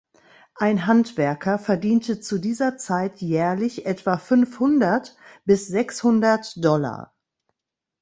Ein Handwerker verdiente zu dieser Zeit jährlich etwa fünfhundert bis sechshundert Dollar.